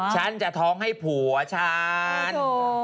ฉันจะท้องให้ผัวฉัน